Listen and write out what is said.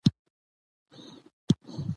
جبار ته يې ووېل چې ولاړ شه نازنين دلته راوله.